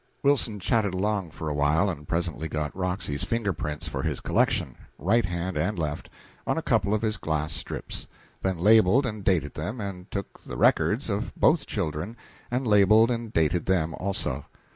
Wilson chatted along for awhile, and presently got Roxy's finger prints for his collection right hand and left on a couple of his glass strips; then labeled and dated them, and took the "records" of both children, and labeled and dated them also.